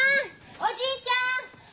おじいちゃん